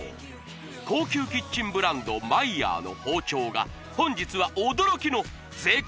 高級キッチンブランドＭＥＹＥＲの包丁が本日は驚きの税込